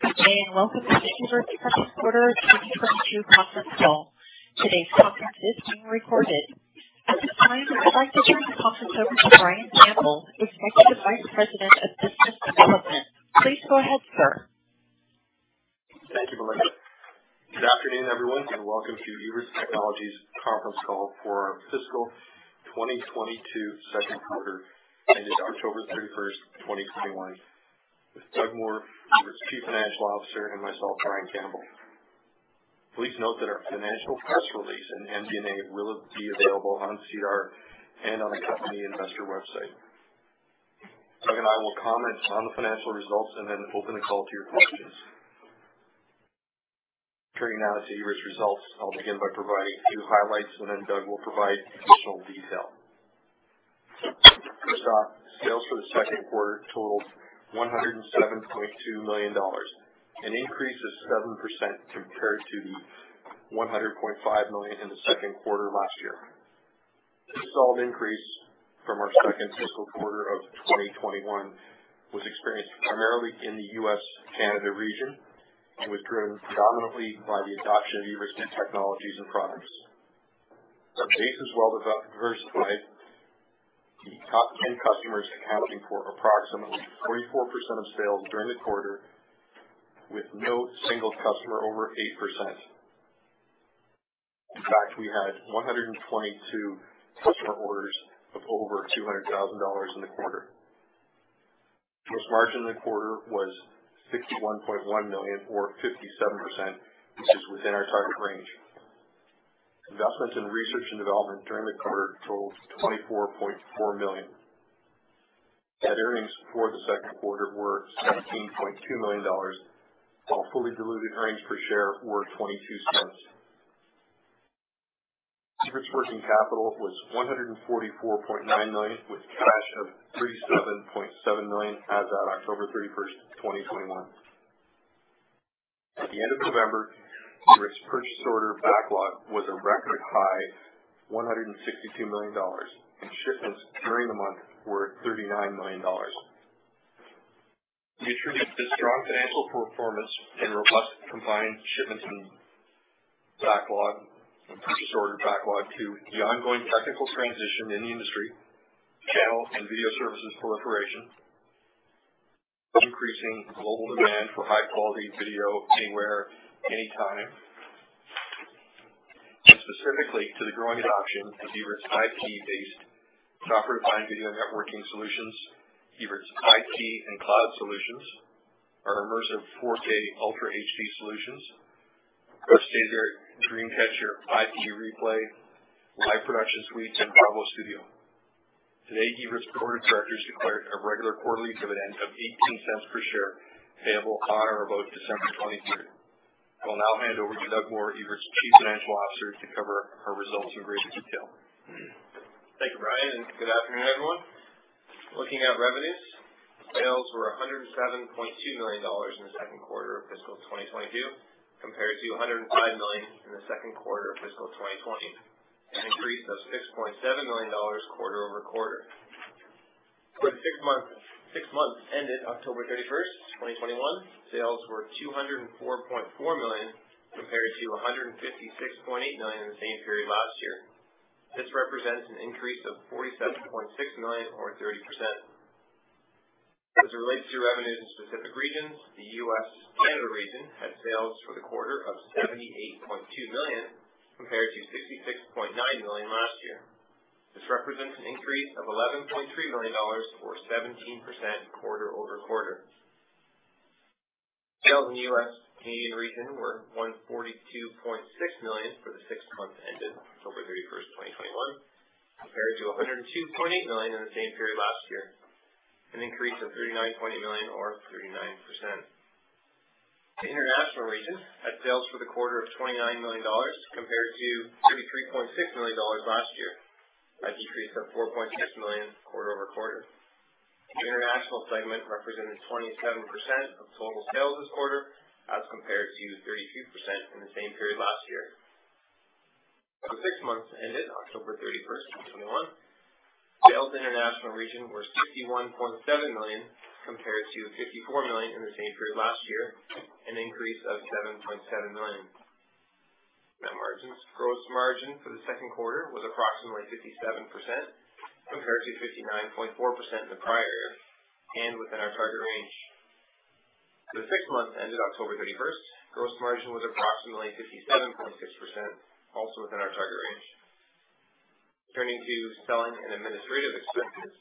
Good day, and welcome to the Evertz Technologies Quarter 2022 Conference Call. Today's conference is being recorded. At this time, I'd like to turn the conference over to Brian Campbell, Executive Vice President of Business Development. Please go ahead, sir. Thank you, Melinda. Good afternoon, everyone, and welcome to Evertz Technologies Conference Call for our Fiscal 2022 Second Quarter, ended October 31st, 2021. With Doug Moore, Evertz Chief Financial Officer, and myself, Brian Campbell. Please note that our financial press release and MD&A will be available on SEDAR and on the company investor website. Doug and I will comment on the financial results and then open the call to your questions. Turning now to Evertz results, I'll begin by providing a few highlights, and then Doug will provide additional detail. First off, sales for the second quarter totaled 107.2 million dollars, an increase of 7% compared to 100.5 million in the second quarter last year. This solid increase from our second fiscal quarter of 2021 was experienced primarily in the U.S./Canada region and was driven predominantly by the adoption of Evertz Technologies and products. Our base is well diversified, the top 10 customers accounting for approximately 44% of sales during the quarter, with no single customer over 8%. In fact, we had 122 customer orders of over 200,000 dollars in the quarter. Gross margin in the quarter was 61.1 million or 57%, which is within our target range. Investments in research and development during the quarter totaled 24.4 million. Net earnings for the second quarter were 17.2 million dollars, while fully diluted earnings per share were 0.22. Evertz's working capital was 144.9 million, with cash of 37.7 million as at October 31st, 2021. At the end of November, Evertz purchase order backlog was a record high 162 million dollars, and shipments during the month were 39 million dollars. We attribute this strong financial performance and robust combined shipments and backlog and purchase order backlog to the ongoing technical transition in the industry, channel and video services proliferation, increasing global demand for high quality video anywhere, anytime. Specifically to the growing adoption of Evertz IP-based software-defined video networking solutions, Evertz IP and cloud solutions, our immersive 4K Ultra HD solutions, our Stax Edit, DreamCatcher, IP replay, live production suites, and BRAVO Studio. Today, Evertz Board of Directors declared a regular quarterly dividend of 0.18 per share, payable on or about December 23rd. I will now hand over to Doug Moore, Evertz Chief Financial Officer, to cover our results in greater detail. Thank you, Brian, and good afternoon, everyone. Looking at revenues, sales were 107.2 million dollars in the second quarter of fiscal 2022, compared to 105 million in the second quarter of fiscal 2020, an increase of 6.7 million dollars quarter over quarter. For the six months ended October 31st, 2021, sales were CAD 204.4 million, compared to CAD 156.8 million in the same period last year. This represents an increase of CAD 47.6 million or 30%. As it relates to revenues in specific regions, the U.S./Canada region had sales for the quarter of 78.2 million, compared to 66.9 million last year. This represents an increase of 11.3 million dollars or 17% quarter over quarter. Sales in the U.S./Canadian region were 142.6 million for the six months ended October 31st, 2021, compared to 102.8 million in the same period last year, an increase of 39.8 million or 39%. The International region had sales for the quarter of 29 million dollars compared to 23.6 million dollars last year, a decrease of 4.6 million quarter-over-quarter. The International segment represented 27% of total sales this quarter as compared to 32% in the same period last year. For the six months ended October 31st, 2021, sales in the International region were 61.7 million compared to 54 million in the same period last year, an increase of 7.7 million. Net margins. Gross margin for the second quarter was approximately 57% compared to 59.4% in the prior year and within our target range. For the six months ended October 31st, gross margin was approximately 57.6%, also within our target range. Turning to selling and administrative expenses,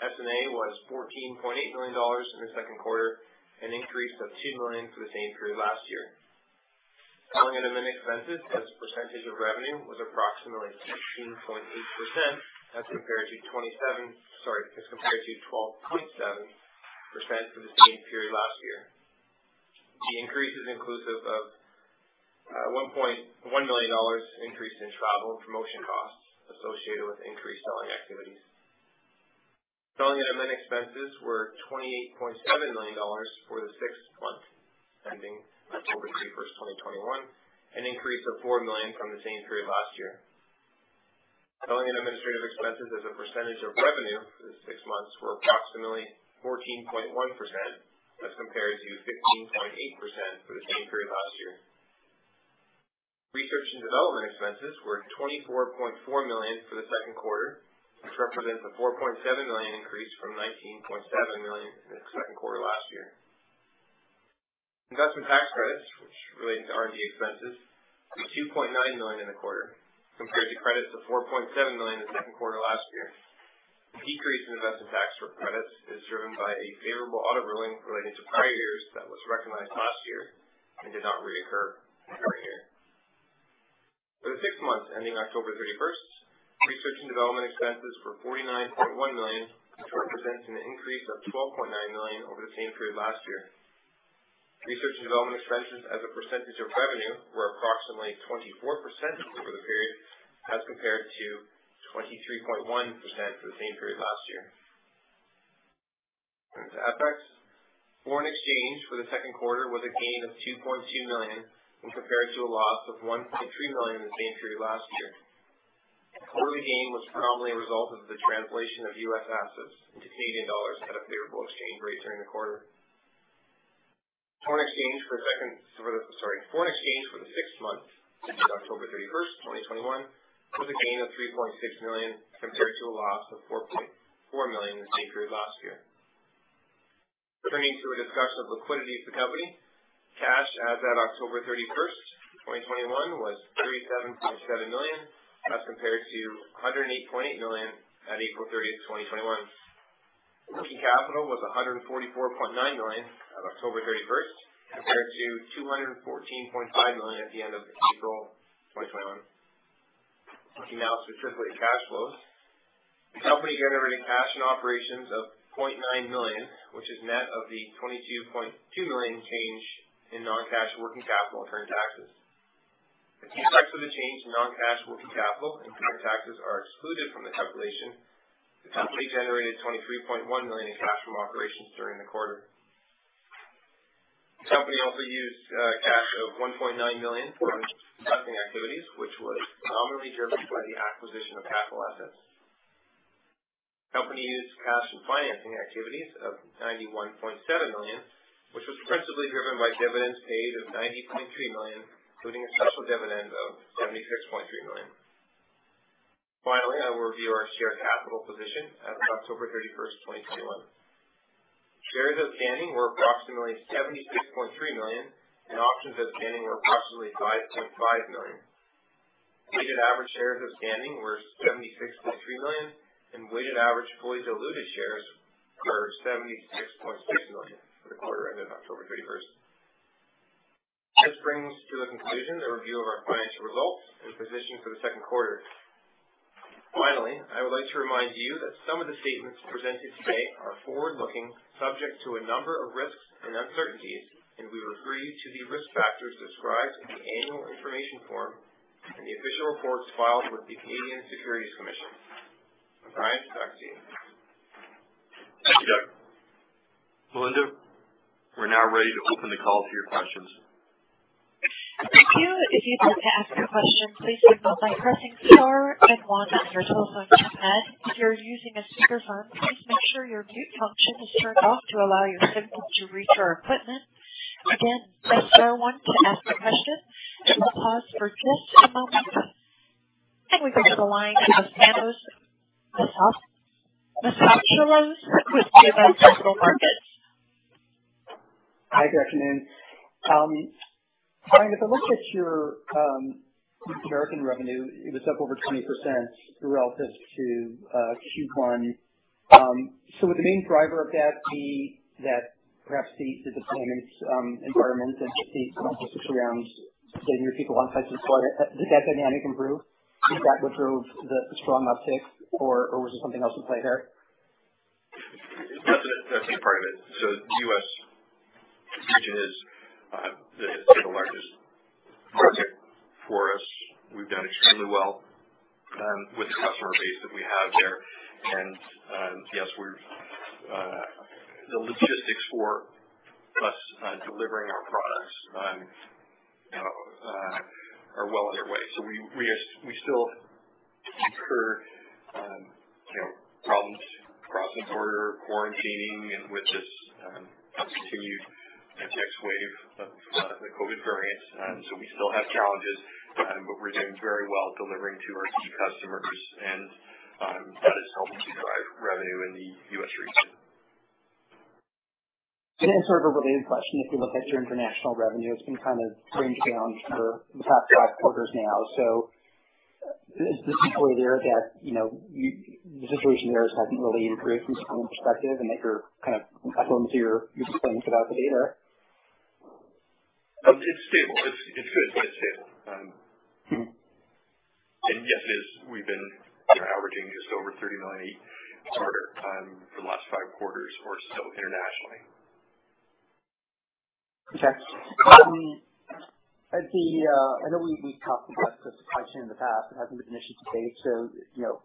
S&A was 14.8 million dollars in the second quarter, an increase of 2 million for the same period last year. Selling and admin expenses as a percentage of revenue was approximately 16.8% as compared to 12.7% for the same period last year. The increase is inclusive of 1.1 million dollars increase in travel and promotion costs associated with increased selling activities. Selling and admin expenses were 28.7 million dollars for the six months ending October 31st, 2021, an increase of 4 million from the same period last year. Selling and administrative expenses as a percentage of revenue for the six months were approximately 14.1% as compared to 16.8% for the same period last year. Research and development expenses were 24.4 million for the second quarter, which represents a 4.7 million increase from 19.7 million in the second quarter last year. Investment tax credits, which relate to R&D expenses, were 2.9 million in the quarter compared to credits of 4.7 million in the second quarter last year. The decrease in investment tax credits is driven by a favorable audit ruling relating to prior years that was recognized last year and did not reoccur this current year. For the six months ending October 31st, research and development expenses were 49.1 million, which represents an increase of 12.9 million over the same period last year. Research and development expenses as a percentage of revenue were approximately 24% over the period as compared to 23.1% for the same period last year. Turning to FX, foreign exchange for the second quarter was a gain of 2.2 million when compared to a loss of 1.3 million in the same period last year. The quarterly gain was primarily a result of the translation of US assets to Canadian dollars at a favorable exchange rate during the quarter. Foreign exchange for the six months ending October 31st, 2021 was a gain of 3.6 million compared to a loss of 4.4 million in the same period last year. Turning to a discussion of liquidity for the company, cash as at October 31st, 2021 was 137.7 million as compared to 108.8 million at April 30, 2021. Working capital was 144.9 million at October 31st compared to 214.5 million at the end of April 2021. Looking now specifically at cash flows, the company generated cash from operations of 0.9 million, which is net of the 22.2 million change in non-cash working capital and current taxes. If you exclude the change in non-cash working capital and current taxes are excluded from the calculation, the company generated 23.1 million in cash from operations during the quarter. The company also used cash of 1.9 million from investing activities, which was primarily driven by the acquisition of capital assets. The company used cash from financing activities of 91.7 million, which was principally driven by dividends paid of 90.3 million, including a special dividend of 76.3 million. Finally, I will review our share capital position as of October 31st, 2021. Shares outstanding were approximately 76.3 million, and options outstanding were approximately 5.5 million. Weighted average shares outstanding were 76.3 million, and weighted average fully diluted shares were 76.6 million for the quarter ending October 31st. This brings to the conclusion the review of our financial results and position for the second quarter. Finally, I would like to remind you that some of the statements presented today are forward-looking, subject to a number of risks and uncertainties, and we refer you to the risk factors described in the annual information form and the official reports filed with the Canadian Securities Administrators. Brian, back to you. Thank you, Doug. Melinda, we're now ready to open the call to your questions. Thank you. If you'd like to ask a question, please do so by pressing star and one on your telephone keypad. If you're using a speakerphone, please make sure your mute function is turned off to allow your signal to reach our equipment. Again, press star one to ask a question. We'll pause for just a moment. We go to the line of Thanos Moschopoulos with BMO Capital Markets. Hi, good afternoon. Brian, if I look at your North American revenue, it was up over 20% relative to Q1. Would the main driver of that be that perhaps the deployments environment and just the commercial systems getting your people on site just slightly. Did that dynamic improve? Is that what drove the strong uptick, or was there something else in play there? That's a part of it. The U.S. region is the largest project for us. We've done extremely well with the customer base that we have there. Yes, the logistics for us delivering our products you know are well underway. We still incur you know problems crossing border, quarantining, and with this continued next wave of the COVID variants. We still have challenges, but we're doing very well delivering to our key customers. That is helping to drive revenue in the U.S. region. Sort of a related question, if we look at your international revenue, it's been kind of trending down for the past five quarters now. Is the story there that, you know, the situation there hasn't really improved from a customer perspective, and that you're kind of optimistic about the data? It's stable. It's good, but it's stable. Mm-hmm. Yes, it is. We've been, you know, averaging just over 30 million each quarter for the last five quarters or so internationally. Okay. I know we've talked about this question in the past. It hasn't been an issue to date. You know.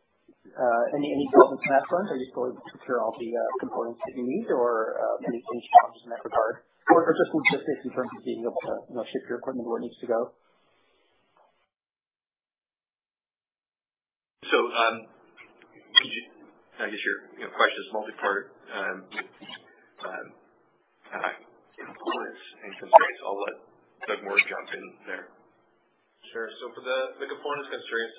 Any problems on that front? Are you still able to secure all the components that you need? Or any challenges in that regard, or just basically in terms of being able to, you know, ship your equipment where it needs to go? I guess your question's multi-part, you know, components and constraints. I'll let Doug Moore jump in there. Sure. For the components constraints,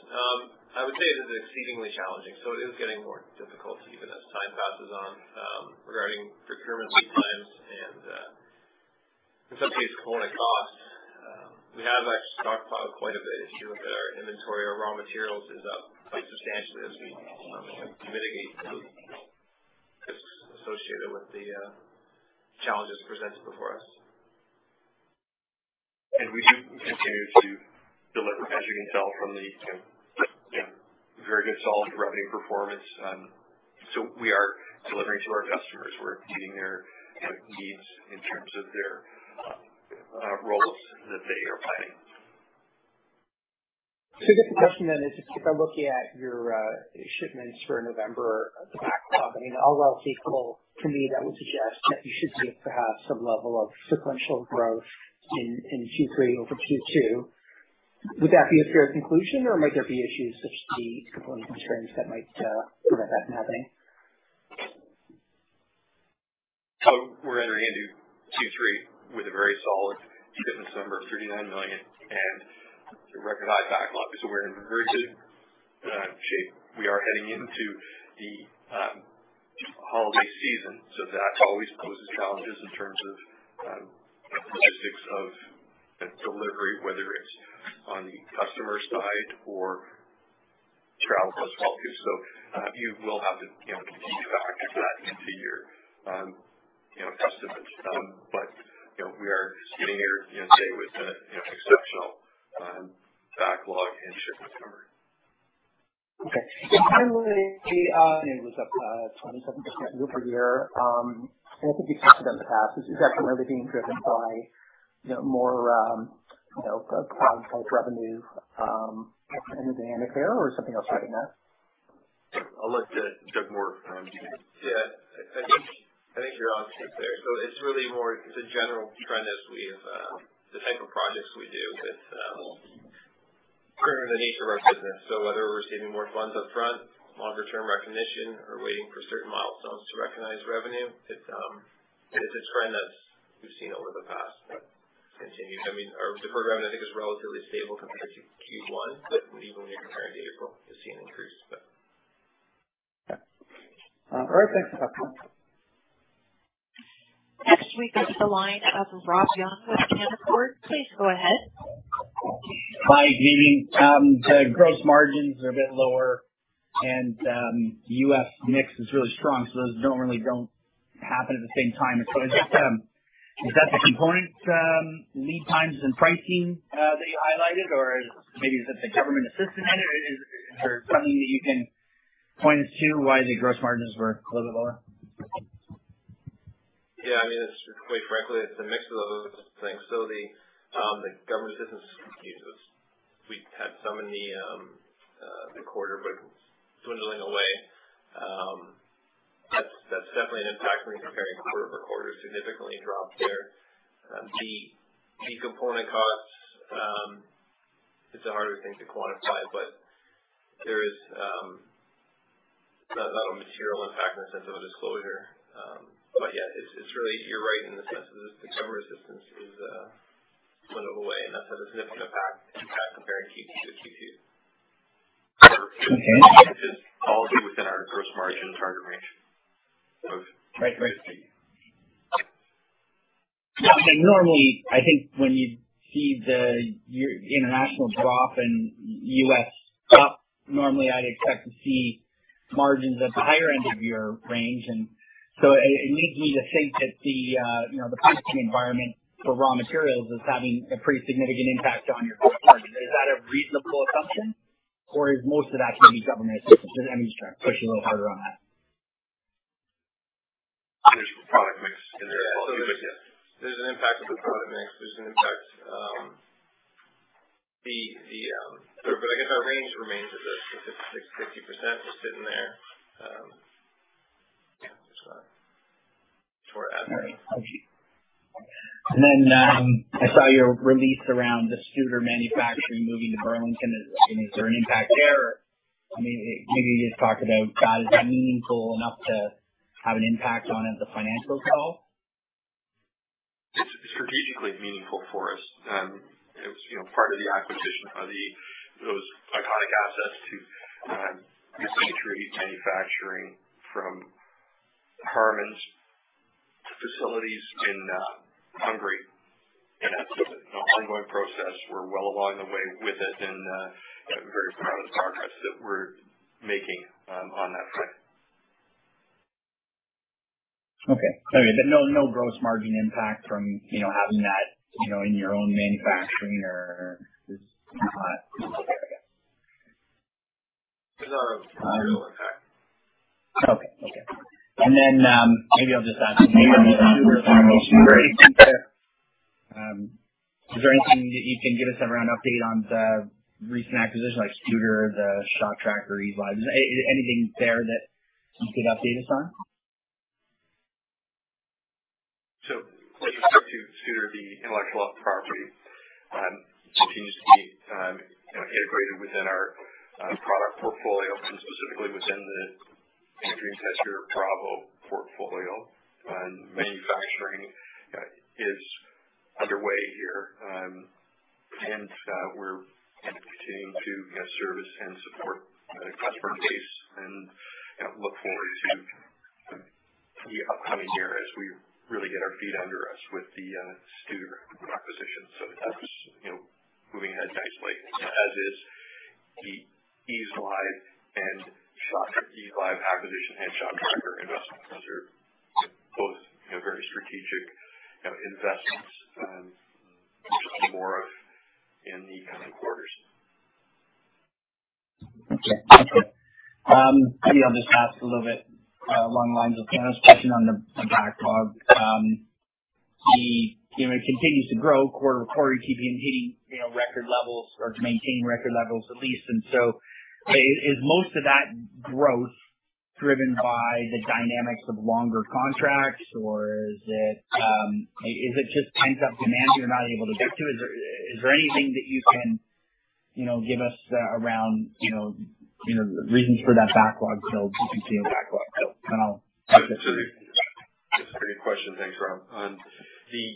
I would say it is exceedingly challenging. It is getting more difficult even as time passes on, regarding procurement lead times and in some cases, component cost. We have actually stockpiled quite a bit. Our inventory of raw materials is up quite substantially as we mitigate the risks associated with the challenges presented before us. We do continue to deliver, as you can tell from the, you know, very good, solid revenue performance. We are delivering to our customers. We're meeting their, you know, needs in terms of their roles that they are playing. I guess the question then is just by looking at your shipments for November backlog, I mean, all else equal, to me, that would suggest that you should see perhaps some level of sequential growth in Q3 over Q2. Would that be a fair conclusion or might there be issues such as the component constraints that might prevent that from happening? We're entering into Q3 with a very solid shipment number of 39 million and a recognized backlog. We're in very good shape. We are heading into the holiday season, so that always poses challenges in terms of logistics of delivery, whether it's on the customer side or travel as well too. You will have to, you know, continue to factor that into your, you know, estimates. But you know, we are sitting here today with a, you know, exceptional backlog and shipment number. Okay. Yeah. Finally, the revenue was up 27% year-over-year. I think you've talked about it in the past. Is that primarily being driven by, you know, more, you know, cloud-based revenue in the dynamic there or something else I didn't ask? I'll let Doug Moore comment on that. Yeah. I think you're on track there. It's really more a general trend as we've the type of projects we do. It's inherent in the nature of our business. Whether we're receiving more funds upfront, longer-term recognition or waiting for certain milestones to recognize revenue, it's a trend that we've seen over the past continuing. I mean, our deferred revenue, I think, is relatively stable compared to Q1, but even when you're comparing data growth, you're seeing an increase. All right. Thanks. Next we go to the line of Rob Young with Canaccord. Please go ahead. Hi, Doug. The gross margins are a bit lower and U.S. mix is really strong, so those don't really happen at the same time. Is that the components lead times and pricing that you highlighted? Or is it maybe the government assistance in it? Or is there something that you can point us to why the gross margins were a little bit lower? Yeah, I mean, it's quite frankly, it's a mix of those things, the government assistance excuses we had some in the quarter, but it's dwindling away. That's definitely an impact when you're comparing quarter-over-quarter, significantly dropped there. The component costs, it's a harder thing to quantify, but there is, it's not a material impact in the sense of a disclosure. But yeah, it's really, you're right in the sense that the government assistance is dwindling away. That's had a significant impact comparing Q2 to Q2. Okay. Which is possible within our gross margin target range. Right. Right. Yeah. Normally I think when you see the international drop and U.S. up, normally I'd expect to see margins at the higher end of your range. It leads me to think that the, you know, the pricing environment for raw materials is having a pretty significant impact on your gross margin. Is that a reasonable assumption or is most of that maybe government assistance? I'm just trying to push a little harder on that. I think it's product mix. There's an impact with product mix. I guess our range remains at the 56%-60%. Just sitting there, yeah, just toward that range. All right. Thank you. Then, I saw your release around the Studer manufacturing moving to Burlington. I mean, is there an impact there or, I mean, maybe you just talked about that. Is that meaningful enough to have an impact on the financial level? It's strategically meaningful for us. It was, you know, part of the acquisition of those iconic assets to retreat manufacturing from HARMAN's facilities in Hungary. That's an ongoing process. We're well along the way with it and, you know, very proud of the progress that we're making on that front. Okay. No, no gross margin impact from, you know, having that, you know, in your own manufacturing or just not. There's no material impact. Maybe I'll just ask maybe on the Studer acquisition. Where are you at with the, is there anything that you can give us an update on the recent acquisitions like Studer, the ShotTracker, Ease Live? Is there anything there that you can update us on? With respect to Studer, the intellectual property continues to be, you know, integrated within our product portfolio and specifically within the DreamCatcher BRAVO portfolio. Manufacturing is underway here. We're continuing to, you know, service and support the customer base and, you know, look forward to the upcoming year as we really get our feet under us with the Studer acquisition. That's, you know, moving ahead nicely, as is the Ease Live acquisition and ShotTracker investments. Those are both, you know, very strategic, you know, investments. We'll see more of in the coming quarters. Maybe I'll just ask a little bit along the lines of Ken's question on the backlog. It continues to grow quarter to quarter, keeping record levels or maintaining record levels at least. Is most of that growth driven by the dynamics of longer contracts or is it just pent-up demand you're not able to get to? Is there anything that you can, you know, give us around, you know, reasons for that backlog build, CPC backlog build? That's a great question. Thanks, Rob. The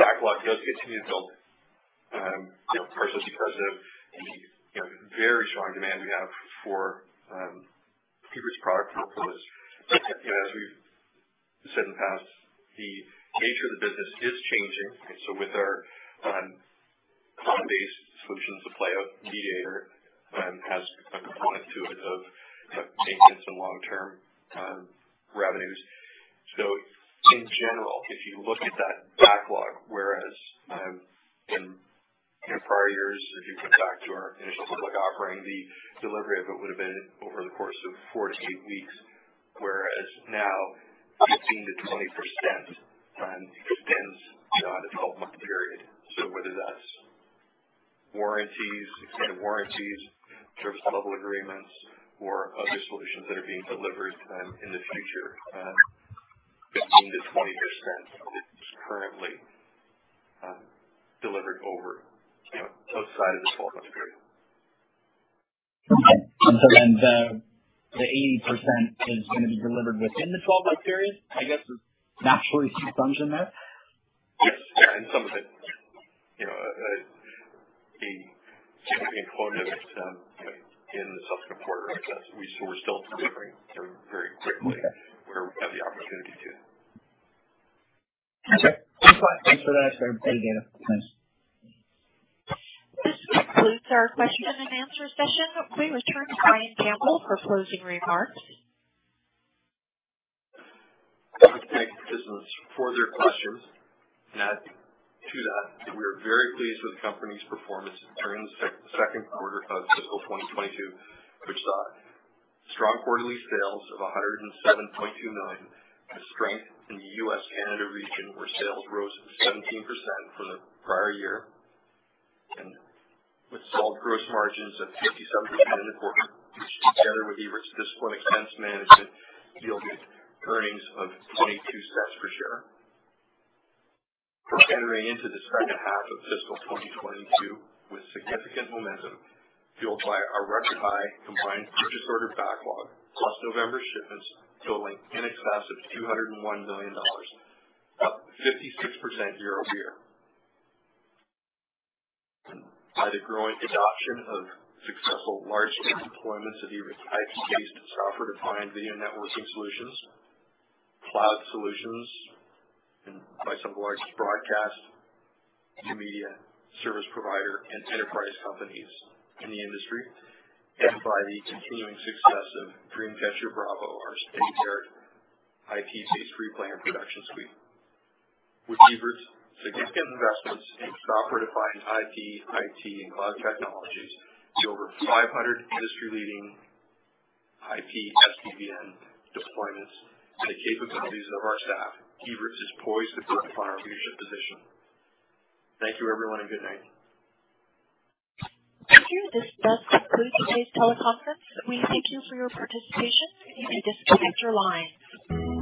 backlog does continue to build, you know, partially because of the, you know, very strong demand we have for Evertz's product portfolios. You know, as we've said in the past, the nature of the business is changing. With our cloud-based solutions like Mediator has a component to it of maintenance and long-term revenues. In general, if you look at that backlog, whereas in prior years, if you go back to our initial public offering, the delivery of it would have been over the course of 14 weeks, whereas now 15%-20% extends you know, on a 12-month period. Whether that's warranties, extended warranties, service level agreements or other solutions that are being delivered in the future. 15%-20% is currently delivered over, you know, outside of the 12-month period. Okay. The 80% is gonna be delivered within the 12-month period, I guess, is naturally assumed in there? Yes. Yeah. In some cases, you know, being included, you know, in the subsequent quarter. We're still delivering very, very quickly. Okay. where we have the opportunity to. Okay. Thanks for that, Sir. Thank you. Thanks. This concludes our question and answer session. We return to Brian Campbell for closing remarks. I want to thank participants for their questions. Add to that, we are very pleased with the company's performance during the second quarter of fiscal 2022, which saw strong quarterly sales of 107.2 million. The strength in the U.S., Canada region, where sales rose 17% from the prior year. With solid gross margins of 57% in the quarter, which together with Evertz's disciplined expense management, yielded earnings of 0.22 per share. We're entering into the second half of fiscal 2022 with significant momentum fueled by our record high combined purchase order backlog, plus November shipments totaling in excess of 201 million dollars, up 56% year-over-year. By the growing adoption of successful large-scale deployments of Evertz IP-based software-defined video networking solutions, cloud solutions, and by some of the largest broadcast and media service provider and enterprise companies in the industry. By the continuing success of DreamCatcher™ BRAVO, our state-of-the-art IP-based replay and production suite. With Evertz's significant investments in software-defined IP, IT and cloud technologies to over 500 industry-leading IP, SDVN deployments and the capabilities of our staff, Evertz is poised to solidify our leadership position. Thank you everyone, and good night. This does conclude today's teleconference. We thank you for your participation. You may disconnect your line.